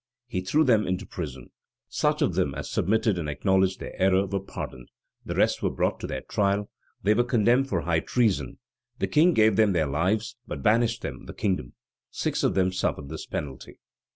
He threw them into prison. Such of them as submitted, and acknowledged their error, were pardoned. The rest were brought to their trial. They were condemned for high treason. The king gave them their lives, but banished them the kingdom. Six of them suffered this penalty.